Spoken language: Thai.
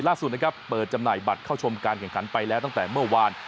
ล่าสุดนะครับเปิดจำหน่ายบัตรเข้าชมการแข่งขันไปแล้วตั้งแต่เมื่อวาน